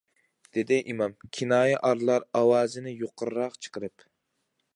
-دېدى ئىمام كىنايە ئارلار ئاۋازىنى يۇقىرىراق چىقىرىپ.